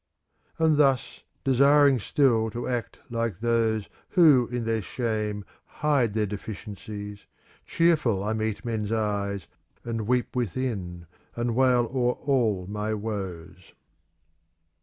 And thus, desiring still to act like those. Who, in their shame, hide their deficiencies. Cheerful I meet men's eyes. And weep within and wail o'er all my woes.